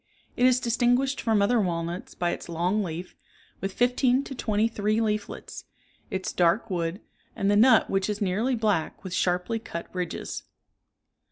It is distinguished from other walnuts by its long leaf, with fifteen to twenty three leaflets, its dark wood, and the nut which is nearly black with sharply cut ridges.